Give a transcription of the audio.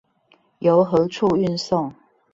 由何處運送？